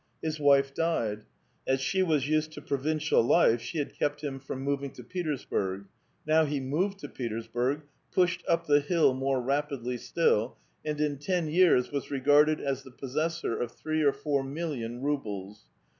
His wife died. As she was used to [Trovincial life, she had kept him from moving to Peters burg. Now he moved to Petersburg, ''pushed up the hill" more rapidly still, and in ten years was regarded as the pos sessor of three or four million rubles.